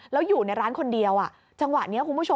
แล้วอยู่ในร้านคนเดียวจังหวะนี้คุณผู้ชม